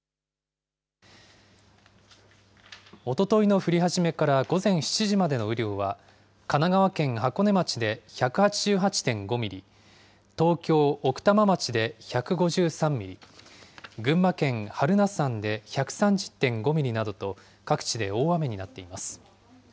おとといの降り始めから午前７時までの雨量は、神奈川県箱根町で１８８．５ミリ、東京・奥多摩町で１５３ミリ、群馬県榛名山で１３０．５ミリなどと、各地で大雨になっています。